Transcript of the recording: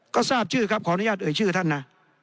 ก็ทราบชื่อครับขออนุญาตเอ่ยชื่อท่านนะ